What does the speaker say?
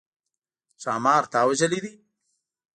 ښامار تا وژلی دی؟